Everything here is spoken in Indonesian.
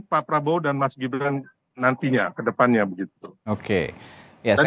pak prabowo dan mas gibran nantinya kedepannya begitu saja ya